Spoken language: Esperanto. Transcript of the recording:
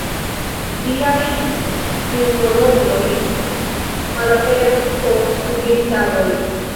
Viaj hemoroidoj malaperos post kvin tagoj.